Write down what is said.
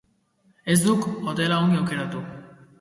Ez duk hotela ongi aukeratu.